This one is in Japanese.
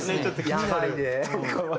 やばいで。